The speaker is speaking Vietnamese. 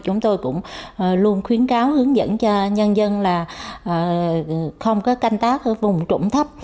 chúng tôi cũng luôn khuyến cáo hướng dẫn cho nhân dân là không canh tác vùng trụng thấp